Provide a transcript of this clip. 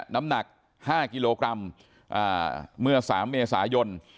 น้ำหนัก๕กิโลกรัมเมื่อ๓เมษายน